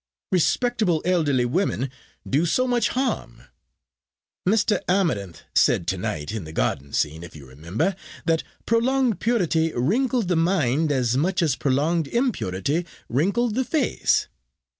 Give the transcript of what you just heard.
Respectable elderly women do so much harm. Mr. Amarinth said to night in the garden scene, if you remember that prolonged purity wrinkled the mind as much as prolonged impurity wrinkled the face.